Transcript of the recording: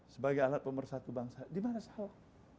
sebagai alat pemersatu bangsa di mana sawah